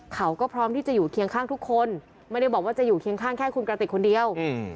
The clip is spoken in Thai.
เขาก็พร้อมที่จะอยู่เคียงข้างทุกคนไม่ได้บอกว่าจะอยู่เคียงข้างแค่คุณกระติกคนเดียว